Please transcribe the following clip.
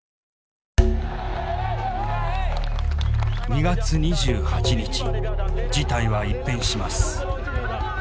２月２８日事態は一変します。